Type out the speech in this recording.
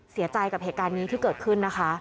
เสียใจกับเหตุการณ์นี้ที่เกิดขึ้นนะคะ